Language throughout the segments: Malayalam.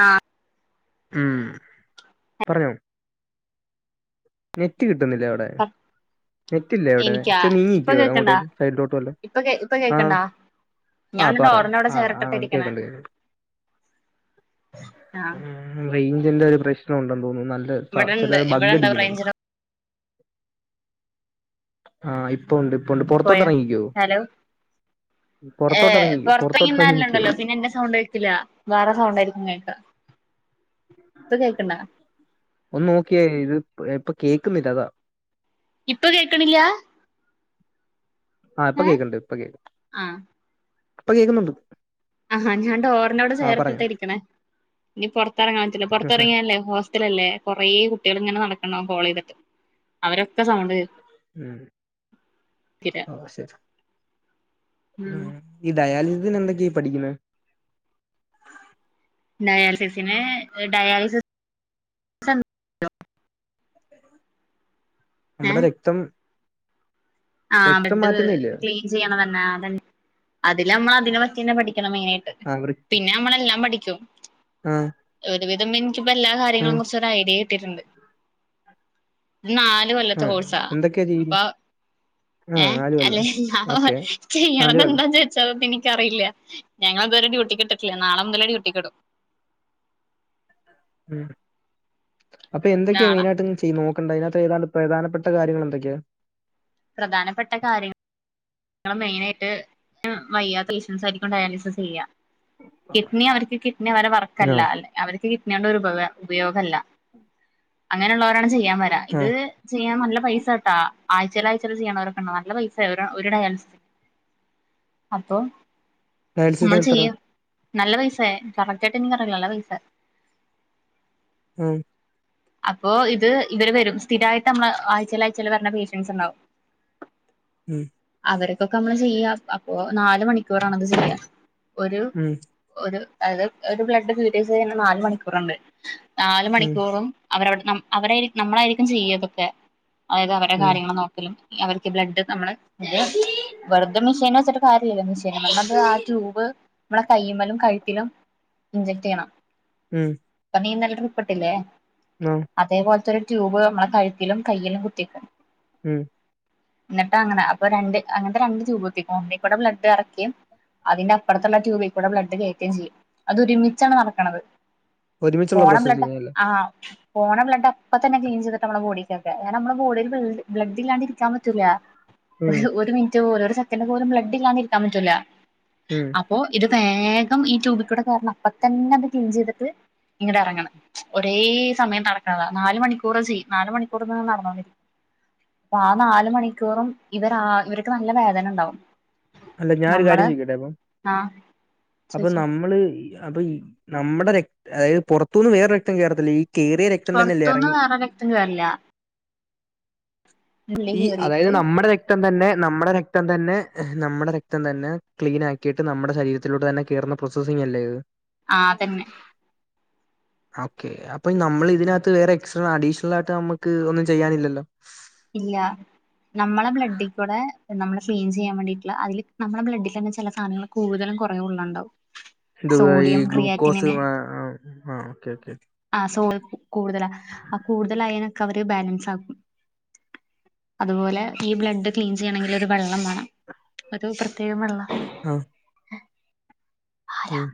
ആഹ്. ഉംഹ് പറഞ്ഞോ? നെറ്റ് കിട്ടുന്നില്ലേ അവിടെ? ആഹ്. നെറ്റ് ഇല്ലേ അവിടെ എനിക്കാ ചെ ഇപ്പൊ നീങ്ങിക്കോ കേക്ക്ണ്ടാ എങ്ങോട്ടേലും സൈഡിലോട്ട് വല്ലോം ഇപ്പൊ കേ ഇപ്പൊ ആഹ് കേക്ക്ണ്ടാ? ആഹ് ഞാൻന്ന് പറഞ്ഞോ ഡോറിനോട് ആഹ് ചേറിട്ടട്ട ആഹ് ഇരിക്കണ കേക്ക്ണ്ട് കേക്ക്ണ്ട് ആഹ്. ഉംഹ് റേഞ്ചിന്റെ ഒരു പ്രശ്നം ഉണ്ടെന്ന് തോന്നുന്നു. നല്ല ഇവിടെണ്ട് ചെല ബഗ് ഇവിടെണ്ടാവും അടിക്കുന്നു. റേഞ്ചിന് ആഹ് ഇപ്പൊണ്ട് ഇപ്പൊണ്ട് പൊറത്തോട്ട് എറങ്ങിക്ക്യോ. ഏ എറങ്ങിക്കോ പൊറത്തോട്ട് എറങ്ങി നിക്കോ പൊറത്തെങ്ങിനിന്നാലുണ്ടല്ലോ പിന്നെ എന്റെ സൗണ്ട് കേക്കില്ല. വേറെ സൗണ്ടായിരിക്കും കേക്ക. ഇപ്പം കേക്ക്ണ്ട. ഒന്ന് നോക്കിയേ ഇത് ഇപ്പൊ കേൾക്കുന്നില്ല അതാ. ഇപ്പ കേക്ക്ണില്ല. ആഹ് ഇപ്പൊ ഏഹ് കേക്ക്ണ്ട് ഇപ്പൊ കേക്ക് ആഹ് ഇപ്പ കേക്കുന്നുണ്ട്. ആഹാ ഞാൻ ഡോറിനോട് ആഹ് പറഞ്ഞോ ചേർത്തിട്ടാ ഇരിക്കണേ ഇനി പൊറത്തെറങ്ങാൻ പറ്റില്ല പുറത്തെറങ്ങിയാല്ലേ ഹോസ്. റ്റലല്ലേ കുറേ കുട്ടികൾ ഇങ്ങനെ നടക്ക്ണ്ടാവും കോളൈതിട്ട് അവരൊക്കെ സൗണ്ട് കേൾ. ഉംഹ് ഓ ശരി ഉം ഉംഹ്. ഈ ഡയാലിസിസിന് എന്തൊക്കെയാ പഠിക്കുന്ന? ഡയാലിസിസിന് ഏ ഡയാലിസിസ്. ഏഹ് നമ്മുടെ രക്തം. ആഹ് രക്തം ബെഡ് മാറ്റുന്നില്ലേ ക്ലീൻ ചെയ്യണതന്നെ ആ അതന്നെ അതില് മ്മ അതിനെ പറ്റി ന്നെ പഠിക്കണം മെയിനായിട്ട്. ആഹ് വൃ പിന്നെ അമ്മളെല്ലാം പഠിക്കും. ആഹ്. ഒരുവിധം എനിക്കിപ്പോ എല്ലാ ആഹ് കാര്യങ്ങളും കുറ്ച്ചൊരു ഐഡിയ കിട്ടിട്ടുണ്ട്. ന്നാല് കൊല്ലത്തെ ആഹ് കോഴ്സാ. എന്തൊക്കെയാ ചെയ്യുന്നെ അപ്പൊ. ആഹ് ഏഹ് നാല് അല്ലെ കൊല്ലം ഞ പ്പോ ഓക്കെ നാല് കൊല്ലം ചെയ്യണതെന്താ ചോ. ച്ചപ്പം പിന്നെ ൻക്കറിയില്ല. ഞങ്ങളെ ഇതുവരെ ഡ്യൂട്ടികിട്ടിട്ടില്ല. നാളെ മുതല ഡ്യട്ടിക്കിടും. ഉം ഹ് അപ്പൊ എന്തൊക്കെയാ നാളെ മെയിനായ്ട്ട് ചെയ്ത് നോക്ക. ക്കണ്ട് അതിനകത്ത് ഏതാണ് പ്രധാനപ്പെട്ട കാര്യങ്ങൾ എന്തൊക്കെയാ? പ്രധാനപ്പെട്ട കാര്യങ്ങ. ങ്ങൾ മൈനായ്ട്ട് വയ്യാത്ത പേഷ്യൻസ് ആയിരിക്കും ഡയാലിസിസ് ചെയ്യ. കിഡ്നി അവർക്ക് കിഡ്നി അവരെ വർക്കല്ല. ആഹ് അല്ലെ അവർക്ക് കിഡ്‌നിയോണ്ട് ഒരുപയോ ഉപയോഗല്ല അങ്ങനെയുള്ളോരാണ് ചെയ്യാൻ വരാ. ഇത് ആഹ് ചെയ്യാൻ നല്ല പൈസ ട്ടാ ആഴ്ചൽ ആഴ്ചൽ ഇത് ചെയ്യണവരൊക്കെണ്ട്. നല്ല പൈസെ അവര ഒര് ഡയാലിസിസ് അപ്പൊ ഡയാലിസിസിന് മ്മൾ എത്ര ചെയ്യും. നല്ല പൈസെ കറക്റ്റായിട്ട് എനിക്കറിയില്ല. നല്ല പൈസെ. ആഹ അപ്പൊ ഇത് ഇവര് വരും സ്ഥിരമായിട്ട് നമ്മള് ആയ്ചൽ അയച്ചല് വരണ പേഷ്യൻസ് ഉണ്ടാവും ഉം അവർക്കൊക്കെ നമ്മള് ചെയ്യ അപ്പൊ നാല മണിക്കൂറണത് ചെയ്യ ഒരു ഉം ഒരു അത് ഒരു ബ്ലഡ് ബീട്ടസ് ക നാല മണിക്കൂറുണ്ട് നാല ഉം മണിക്കൂറും അവര അവ നമ്മളായിരിക്കും ചെയ്യതൊക്കെ അതായത് അവരുടെ ഉം കാര്യങ്ങൾ നോക്കലും അവർക്ക് ബ്ലഡ് നമ്മ വെറുത മെഷീന വെച്ചിട്ട നമ്മ ആ ട്യൂബ് നമ്മെ കയ്യുമമ്മലും കഴുത്തിലിലും ഇഞ്ജെക്ട് ചെയ്യണം ഉം നീ ഇന്നലെ ട്രിപ്പ് ഇട്ടില്ല ആഹ് അതേ പോലത്തെ ഒരു ട്യൂബ് നമ്മെ കഴുത്തിലും കയിലും കുത്തിക്കും ഉം എന്നിട്ട് അങ്ങനെ അപ്പൊ രണ്ട് അങ്ങനത്തെ രണ്ട് ട്യൂബ് കുത്തിക്കും ഒന്നി കൂടെ ബ്ലഡ് ഇറക്കിയും അതിന്റെ അപ്പുറത്തുള്ള ട്യൂബിൽ കൂടെ ബ്ലഡ് കയറ്റുകയും ചെയ്യും അത് ഒരുമിച്ചാണ് നടക്കണത് ഒരുമിച്ചുള്ള പോണ ബ്ലഡ്‌ പ്രോസസ്സിംഗ് അല്ലേ ആഹ് പോണ ബ്ലഡ് അപ്പ തന്നെ ക്ലീൻ ചയ്തു നമ്മൾടെ ബോഡിക്കൊക്കെ നമ്മൾടെ ബോഡില് ബ്ലഡ്‌ ഇല്ലാതെ ഇരിക്കാൻ പറ്റൂല്ല ഉം ഒരു ഒരു മിനിറ്റ് പോലും ഒരു സെക്കൻഡ് പോലും ബ്ലഡ് ഇല്ലാതെ ഇരിക്കാൻ പറ്റൂല ഉം അപ്പൊ ഇത് വേഗം ഈ ട്യൂബിൽ കൂടെ കേറണം അപ്പത്തന്നെ അത് ക്ലീൻ ചെയ്തിട്ട് ഇങ്ങട്ട് ഇറങ്ങണം ഒരേ സമയം നടക്കാതാ നാല് മണിക്കൂറ് ചെയ്യ നാല് മണിക്കൂറി നിന്ന് നടന്നാ മതി അപ്പൊ ആഹ് നാല് മണിക്കൂറും ഇവർ ഇവർക്ക് നല്ല വേദന ഉണ്ടാവും അല്ല ഞാൻ ഒരു നമ്മള് കാര്യം ചോദിക്കട്ടെ അപ്പൊ ആ അപ്പൊ ചോയിച്ചോ നമ്മള് അപ്പൊ നമ്മുടെ രക് അതായത് പുറത്തുനിന്ന് വേറെ രക്തം കയറത്തില്ല ഈ കേയറിയ രക്ത പുറത്തുന്നും വേറെ രക്തം കേറില്ല ഉള്ളി ഈ അതായത് കേറിയിട്ട് നമ്മുടെ രക്തം തന്നെ നമ്മുടെ രക്തം തന്നെ നമ്മുടെ രക്തം തന്നെ ക്ലീൻ ആക്കിയിട്ട് നമ്മുടെ ശരീരത്തിലോട്ട് തന്നെ കയറുന്ന പ്രോസസിങ് അല്ലേ ഇത് ആഹ് അതന്നെ ഓക്കെ അപ്പൊ നമ്മൾ ഇതിനകത്ത് വേറെ എക്സ്ട്രാ അഡീഷണൽ ആയിട്ട് നമുക്ക് ഒന്നും ചെയ്യാനില്ലല്ലോ ഇല്ല നമ്മള ബ്ലഡിൽ കുടെ നമ്മള് ക്ലിൻ ചെയ്യാൻ വേണ്ടിട്ട അതില് നമ്മളെ ബ്ല്ഡിൽ തന്നെ ചില സാധനങ്ങ കൂടുതലും കുറവുകളും ഉണ്ടാവും ഇത് ഈ ഗ്ലൂക്കോസ് ആഹ് ഓക്കേ ഓക്കേ ആഹ് സോ കൂടുതലാ ആഹ് കൂടുതലായതിനൊക്കെ അവര് ബാലൻസ് ആകും അതുപോലെ ഈ ബ്ലഡ് ക്ലീൻ ചെയ്യണമെങ്കിൽ ഒരു വെള്ളം വേണം ഒരു പ്രത്യേക വെള്ളവ ആഹ് ഉം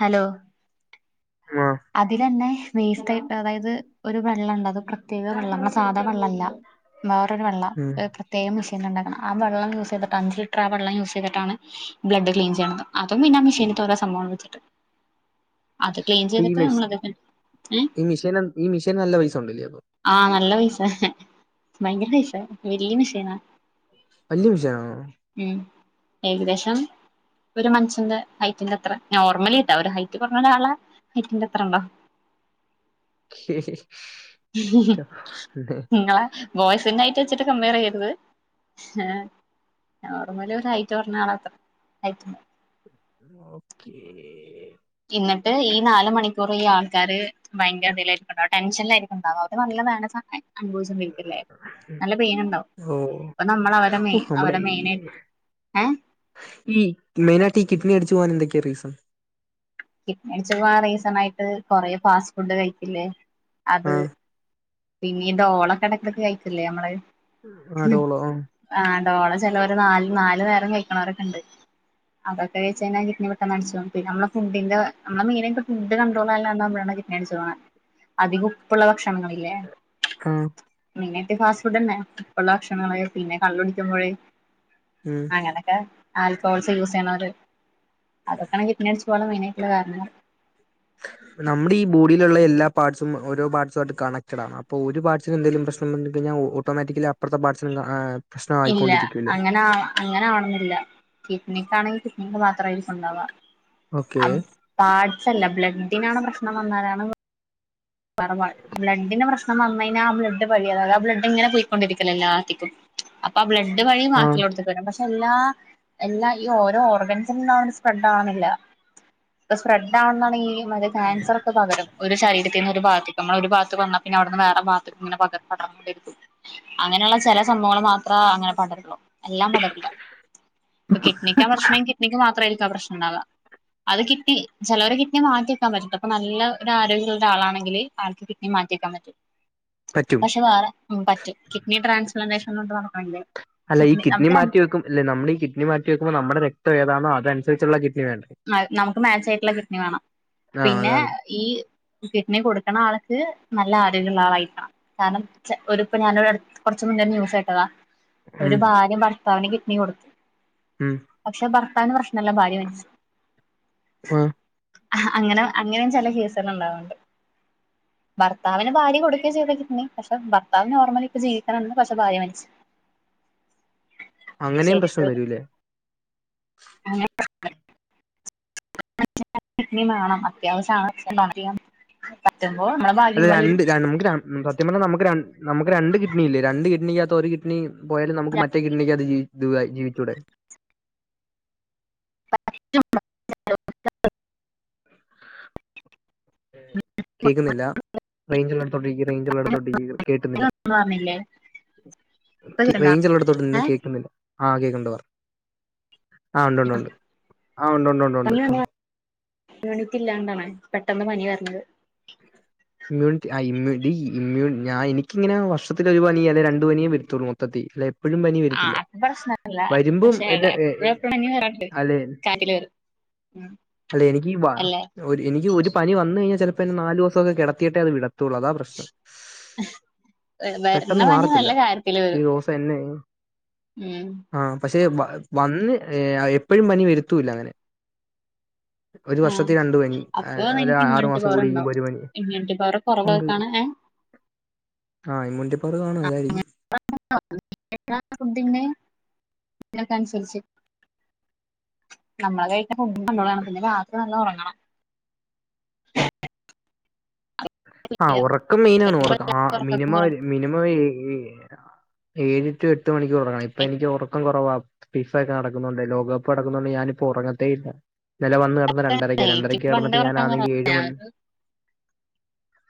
ഹലോ ആഹ് അതിലന്നെ വേസ്റ്റ് ആയിട്ട് അതായത് ഒരു വെള്ളം ഉണ്ട് അത് പ്രത്യേക വെള്ളം നന്മടെ സാധ വെള്ളല്ല വേറൊരു വെള്ള ഉം. തേ മെഷീൻ ഉണ്ടാക്ണം ആഹ് വെള്ളം യൂസ് ചെയ്തിട്ട് ഉൺഫിൽറ്റർഡ് ആഹ് വെള്ളം യൂസ് ചെയ്തിട്ടാണ് ബ്ലഡ് ക്ലീൻ ചെയ്യണ അതും പിന്ന മഷീനത്തോര സംഭവം വച്ചിട്ട് അഹ് ഈ നമ്മളത് ഏ ഈ മെഷീൻ ഈ മെഷീൻ നല്ല പൈസ ഉണ്ടല്ലേ അപ്പൊ ആഹ് നല്ല പൈസ ഭയങ്കര പൈസ വലിയ മഷീനാ വലിയ മെഷീൻ ആണോ ഉം ഏകദേശം ഒരു മനുഷ്യന്റെറെ ഹൈറ്റിന്റെ അത്ര നോർമലി ഇണ്ടാവുല്ലോ ഒരു ഹൈറ്റ് കുറഞ്ഞരാളാ ഹൈറ്റിന്റെ അത്രള്ളോ നിങ്ങളെ ബോയ്സിന്റെ ഹൈറ്റ് വച്ചിട്ട് കംപയർ ചെയ്യ്യരുത് നോർമല് ഹൈറ്റ് കുറഞ്ഞള അത്രേ ഹൈറ്റ്ണ്ട് ഓക്കേ എന്നിട്ട് ഈ നാല് മണിക്കൂർ ഈ ആൾക്കാര് ഭയങ്കര ഇതിയിലായിരിക്കും ഉണ്ടാവ ടെൻഷനിലായിരിക്കും ഉണ്ടാവ അവർക് നല്ല [unintelligible] നല്ല പെയിൻ ഉണ്ടാവും ഓ അപ്പ നമ്മളവര ഓ, മെയ് നമ്മുടെ അവരെ ഈ മെയിനായിട് ഏഹ് ഈ മെയിനാട്ട് ഈ കിഡ്നി അടിച്ചു പോവാൻ എന്തൊക്ക്യ റീസൺ കഡ്‌നി അടിച്ച് പോവാൻ റീസണായിട്ട് കൊറെ ഫാസ്റ്റ് ഫുഡ് കഴിക്കില്ലേ ആ അത് പിന്നീ ഡോളൊക്കെടക്കെടക്ക് കയ്ക്കില്ലേ നമ്മള് ആഹ് ഡോളോ ആഹ് ആഹ് ഡോള ചെലോര് ഒരു നാൽ നാല് നേരം കൈക്കിണോരൊക്കെണ്ട് അതൊക്കെ കൈച്ചേഞ്ഞാ കിഡ്നി പെട്ടന്ന് അടിച്ച് പോം പിന്നെ നമ്മള ഫുഡ്ഡിന്റെ നംള് മെയ്നായിട്ട് ഫുഡ്ഡ് കണ്ട്രോളല്ലാണ്ടാവുമ്പഴാണ് ഡ്നി അടിച്ചുപോണേ അധിക ഉപ്പുള്ള ഭക്ഷണങ്ങളില്ലേ ആഹ് മെയ്നായിട്ട് ഫാസ്റ്റ് ഫുഡ് തന്നെ ഉപ്പുള്ള ഭക്ഷണങ്ങള് പിന്നെ കള്ളു കുടിക്കുമ്പൊഴ് ഉം അങ്ങനൊക്കെ ആൽക്കഹോൾസ് യൂസെയ്യണോര് അതൊക്കേണ് കിഡ്‌ന്യട്ച്ച് പോവാള്ള മെയ്നായിട്ട്ള്ള കാര്ണങ്ങൾ നംടീ ബോഡീലൊള്ളേ എല്ലാ പാർട്സും ഓരോ പാർട്സ്വായിട്ട് കണക്ടഡ് ആണൊ അപ്പൊ ഒരു പാട്സിന് എന്തേലും പ്രശ്നംവന്ന് കഴിഞ്ഞാ ഓട്ടോമാറ്റിക്കലി അപ്പർത്തെ പാട്സിനും ആഹ് ഇല്ല പ്രശ്നമായിക്കൊണ്ടിരിക്കൂല്ലേ? അങ്ങനാ അങ്ങനാവണന്നില്ല കിഡ്നിക്കാണെങ്കി കിഡ്‌നിക്ക് മാത്രായിരിക്കുണ്ടാവാ ഓക്കെ. അ പാർട്സ് അല്ല ബ്ലഡിനാണ് പ്രശ്നം വന്നാലാണ് [unintelligible] ബ്ലഡ്ഡിന് പ്രശ്നം വന്നഴിഞ്ഞ ആ ബ്ലഡ്ഡ് വഴി അതത് ആഹ് ബ്ലഡ്ഡ് ഇങ്ങനെ പോയ്ക്കൊണ്ടിരിക്കലല്ലേ എല്ലാത്തിക്കും അപ്പാ ബ്ലഡ് വഴി ആഹ് വാക്കിള്ളോട്ത്തി [unintelligible] പഷെല്ലാ എല്ലാ ഈ ഓരോ ഓർഗൻസിനും അങ്ങനെ സ്പ്രെഡ്ഡാവ്ണില്ല ഇപ സ്പ്രെഡ്ഡ് ആവ്ണതാണെ ഈ മറ്റെ ക്യാൻസർ ഒക്കെ പകരും ഒരു ശൈഡി തിന് ഒരു ഭാത്തിക്ക് നമ്മൾ ഒരു ഭാത്ത് വന്നാ പിന്നെ അവ്ടുന്ന് വേറേ ഭാത്തിക്ക് ഇങ്ങനെ പക പടർന്നോണ്ടിരിക്കും അങ്ങനെള്ള ചെല സംഭവങ്ങൾ മാത്രാ അങ്ങനെ പടരൊള്ളൂ എല്ലാം പടർല്ല ഇപ്പ കിഡ്നിക്കാ പ്രശ്നെങ്കി കിഡ്നിക്ക് മാത്രായ്രിക്കും ആഹ് പ്രശ് ണണ്ടാവാ അത് കിട്ണി ചെലവരെ കിഡ്നി മാറ്റി വെക്കാൻ പറ്റൂല്ലാ ഇപ്പ നല്ല ഒരാരോഗ്യള് ആളാണങ്കില് ആൾക്ക് കിഡ്നി മാറ്റ്യെക്കാൻ പറ്റും പറ്റും പഷെ വേറെ ഉം പറ്റും കിഡ്നി ട്രാൻസ്പലാന്റേഷൻന്ന് [unintelligible] അല്ല ഈ കിഡ്‌നി മാറ്റി വെക്കും ല്ല നമ്മടെ ഈ കിഡ്നി മാറ്റ്യെക്കുമ്പോ നമ്മുടെ രക്തം എതാണോ അതൻസര്ച്ചൊള്ള കിഡ്നി വേണ്ടേ മെ നമുക്ക് മാച്ച് ആയ്ട്ടൊള്ള കിഡ്നി വേണം ആഹ് പിന്നെ അതാണ്. ഈ കിഡ്‌ണി കൊട്ക്കിണ ആൾക്ക് നല്ല ആരോഗ്യള്ള ആളായിര്ക്കണം കാര്ണം ച ഒരു ഇപ്പ ഞാനൊരട് കൊറച്ച് മുന്നെ ഒര് ന്യൂസേട്ടതാ ഉം ഒരു ഭാര്യ ഭർത്താവിന് കിഡ്‌ണി കൊടുത്തു ഉം പക്ഷെ ഭർത്താവിന് പ്രശ്നല്ല ഭാര്യ മരിച്ചു ആഹ് ഹ അങ്ങന അങ്ങനെം ചെല കേസെല്ലാം ഒണ്ടാവണ്ട് ഭർത്താവിന് ഭാര്യ കൊടുക്കേ ചെയ്യതെ കിഡ്നി പക്ഷെ ഭർത്താവ് നോർമലി ഇപ്പ ജീവിക്കണിന്ന് പഷേ ഭാര്യ മര്ച്ച് അങ്ങനിം പ്രശ്നം ശരിക്കും വരൂല്ലേ [unintelligible] [unintelligible] അല്ല രണ്ട് ര നമക്ക് രൺ സത്യം പർഞ്ഞ നമക്ക് രൺ നമക്ക് രണ്ട് കിഡ്നി ഇല്ലെ രണ്ട് കിഡ്നികാത്ത് ഒരു കിഡ് ട്ണി പോയാലും നമുക്ക് ഇരിക്കും മറ്റേ കിട്ണിക്കാത് ജി തുവാ ജീവിച്ചൂടെ [unintelligible] കേക്കുന്നില്ല റേഞ്ചിള്ളോട്ത്തോട്ടിക്ക് റേഞ്ചിള്ളോട്ത്തോട്ടിക്ക് കേക്കുന്നില്ല [unintelligible] ഇപ്പ കേൾക്കണ്ടാ റേഞ്ചിള്ളോട്ത്തോട്ട് നിന്നെ ഏഹ് കേക്കുന്നില്ല ആഹ് കേക്കിണ്ട് പറ ആഹ് ഒണ്ടൊണ്ടൊണ്ട് ആഹ് ഒണ്ടൊണ്ട് ഒണ്ടൊണ്ട് ആഹ് ഇമ്യൂണിട്ടില്ലാണ്ടാണ് പെട്ടെന്ന് പനി വര്ണത് ഇമ്മ്യൂൺറ്റി ആഹ് ഇമ്മ്യു ഈ ഇമ്മ്യുൺ ഞാ എനിക്കിങ്ങന വർഷത്തില് ഒരു പനി അല്ലെ രണ്ട് പനിയേ വര്ത്തുള്ളൂ മൊത്തത്തി ലെ ആഹ് അപ്പ പ്രശ്നല്ല എന്നെ പക്ഷേടാ എ- എ- എപ്പഴപ്പഴു മഞ്ഞു വഫണ്ട് കാറ്റില് ഉം അല്ലേ എനിക്കി വ അല്ലെ ഒര് എനിക്ക് ഒരു പനി വന്ന്കഴിഞ്ഞ ചിലപ്പോ എന്നെ നാല് ദിവസൊക്കെ കെടത്തിയിട്ടെ അത് വിട ത്തൊള്ളൂ അതാ പ്രശ്നം വരണ പെട്ടെന്ന് പനി മാറത്തില്ല നല്ല കാര്യത്തില് വരും ഇച്ചിരിദിവസം എന്നെ ഉം ആഹ് പക്ഷെ വന്ന് എപ്പഴും പനി വരുത്തൂല്ല അങ്ങനെ ഒരു ആഹ് വർഷത്തി രണ്ട്പനി അപ്പൊ അല്ലെ നിനക്ക് ആറു ഇമ്മ്യൂണിറ്റി മാസം പവർ കൂടിയിക്കമ്പ ഉണ്ടാവും ഒരു പനി ഇമ്മ്യൂണിറ്റി പവർ ഉണ്ട് കുറവായിട്ടാണ് ഏഹ് ആഹ് ഇമ്യൂണിറ്റിപവറ് കാണു അതാരിക്കും [unintelligible] ഫുണ്ടിന് അയ്നൊക്കനസരിച്ച് നമ്മളെ കഴിക്കണ ഫുണ്ടിന്റെ [unintelligible] പിന്നെ ബാക്കി നല്ല ഒറങ്ങണം ആഹ് ഒറക്കം മെയിനാണ് ഒറക്കം ആഹ് ഉറക്കം മിനിമം മിനിമം ഏഹ് എഴ് ടു എട്ട് മണിക്കൂർ ഒറങ്ങണം ഇപ്പൊ എനിക്ക് ഒറക്കം കുറവാ ഫിഫ ഒക്കെ നടക്കുന്നൂണ്ടെ ലോകകപ്പ് നടക്കുന്നൂണ്ടെ ഞാനിപ്പൊ ഒറങ്ങത്തേ ഇല്ല ഇന്നല വന്ന് കെടന്ന രണ്ടരക്ക എനിക്ക് രണ്ടരക്ക് പണ്ടേ കെടന്നിട്ട് ഉറക്കം കുറവാ ഞാനാന്നങ്കി ഏഴ് മണി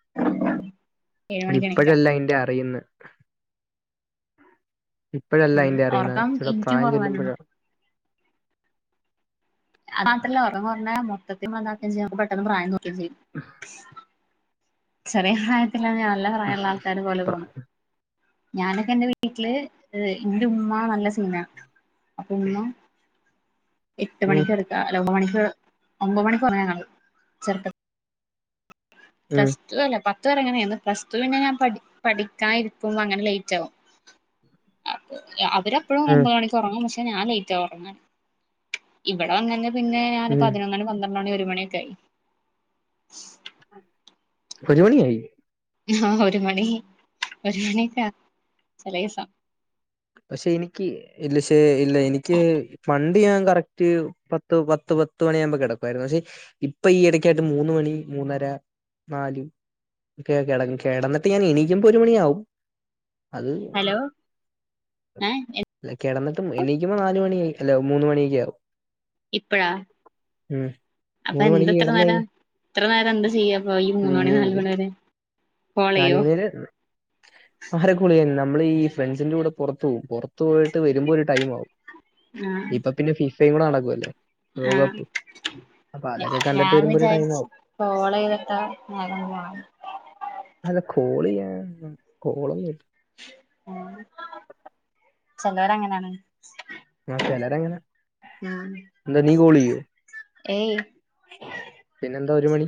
[inaudible] ഏഴ് മണിക്ക് എണീറ്റാ ഇപ്പഴല്ല അയിന്റെ അറിയുന്നെ ഇപ്പഴല്ല അതിന്റെ അറിയുന്ന ഉറക്കം ഇച്ചരൂടെ എനിക്കും പ്രായം കുറവ് ചെല്ലുമ്പഴ തന്നെയാണ് അത് മാത്രല്ല ഒറക്കംകൊറഞ്ഞ മൊത്തത്തി എന്താക്കം ചെയ്യ പെട്ടെന്ന് പ്രായം തോന്നിക്കേം ചെയ്യും ചെറിയ പ്രായത്തിലന്നെ നല്ല പ്രായള്ള ആൾക്കാര് പോലെതോന്നും ഞാനൊക്കെ എന്റെ വീട്ടില് ഇന്റുമ്മ നല്ല സീനാ അപ്പൊ ഉമ്മ. എട്ട് ഉം മണിക്ക് കെടക്ക അല്ല ഒമ്പണിക്ക് ഒമ്പത് മണിക്ക് ഒറങ്ങാങ്ങള് ചെറുപ്പ ഉം പ്ലസ് ടു അല്ല പത്ത് വരെ അങ്ങനയുന്നു പ്ലസ് ടു പിന്ന ഞാ പഠി പഠിക്കാ ഇരിക്കുമ്പോ അങ്ങനെ ലേറ്റാവു അപ്പൊ അവരപ്പഴും ഉം ഒമ്പണിക്ക് ക്കൊറങ്ങും പക്ഷെ ഞാൻ ലേറ്റാവും. ഒറങ്ങന് ഇവിടെ വന്നേന് പിന്നെ ഞാന് ഉം പതിനൊന്നണി പന്ത്രണ്ട ണടി ഒരു മണിയക്കൊയി ഒരുമണിയായി ആഹ് ഒരു മണി ഒരു മണിക്ക ചെലേസം. പക്ഷെ എനിക്ക് ഇല്ല ശേ ഇല്ല എനിക്ക് പണ്ട്. ഞാൻ കറക്റ്റ് പത്ത് പത്ത് പത്ത് മണിയാമ്പോ കെടക്കുവാരുന്നു പഷെ ഇപ്പൊ ഈ ഇടക്കാട്ട് മൂന്ന് മണി മൂന്നര നാല് കെടക്കും കെടന്നിട്ട് ഞാൻ എണീക്കുമ്പോ ഒരു മണിയാവും. അത് ഹലോ ഏഹ് അല്ല കെടന്നിട്ട് എണീക്കുമ്പോ നാല് മണിയായി അല്ല മൂന്ന് മണിയൊക്കെ ആവും. ഇപ്പഴാ ഉം അപ്പൊ മൂന്ന് മണിക്ക് എന്തിത്ര കിടന്ന് നേരം കഴിഞ്ഞ ഇത്ര നേരം എന്താ ചെയ്യാപ്പൊ ഈ മൂന്ന്മണി നാലുമണിരെ നാല്മണിവരെ ആരെക്കുളിയൻ നമ്മൾ ഈ ഫ്രണ്ട്സിന്റൂടെ പൊറത്ത് പോവും പൊറത്ത് പോയിട്ട് വരുമ്പൊ ഒരു ടൈം ആവും ആഹ് ഇപ്പൊ പിന്നെ ഫിഫേം കൂടെ നടക്കുവല്ലേ ആഹ് ലോകകപ്പ് അപ്പൊ അതൊക്കെ കണ്ടിട്ട് വരുമ്പൊ ഒരു ടൈമാവും. കോളെയ്തിട്ട നേരം പോണെ അല്ല കോൾ ചെയ്യാൻ എന്താ കോള്. ചൊലോരാങ്ങനെയാണ്. ആ ചിലര് അങ്ങനെയാ എന്താ നീ കോൾ ചെയ്യൂ. ഏയ് പിന്നെന്താ ഒരു മണി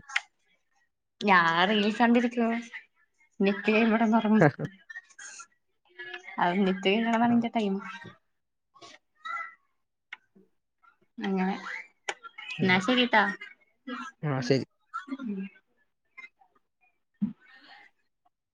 ഞാൻ റിലീസ് കണ്ടിരിക്കുവാൻ പിന്നെ ഇക്ക അവിടെ ഉറങ്ങാ ആഹ് അത് നൊററ് കഴിണത എന്റെ ടൈം അഞനെ എന്നാ ഉം. ശരിട്ടാ ആ ശരി